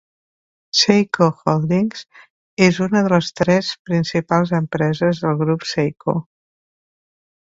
Seiko Holdings és una de les tres principals empreses del grup Seiko.